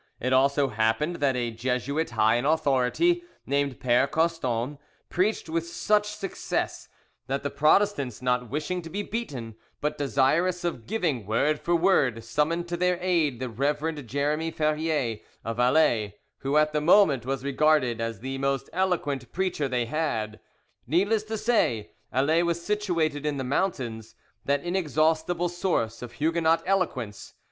It also happened that a Jesuit high in authority, named Pere Coston, preached with such success that the Protestants, not wishing to be beaten, but desirous of giving word for word, summoned to their aid the Rev. Jeremie Ferrier, of Alais, who at the moment was regarded as the most eloquent preacher they had. Needless to say, Alais was situated in the mountains, that inexhaustible source of Huguenot eloquence.